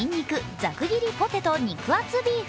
ザク切りポテト肉厚ビーフ。